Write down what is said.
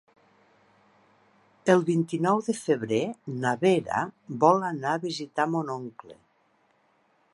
El vint-i-nou de febrer na Vera vol anar a visitar mon oncle.